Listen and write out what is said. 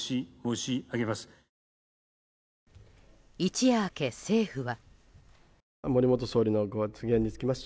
一夜明け、政府は。